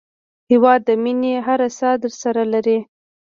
هېواد د مینې هره ساه درسره لري.